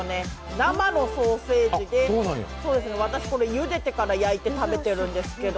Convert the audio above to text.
生のソーセージで、私これゆでてから焼いて食べてるんですけど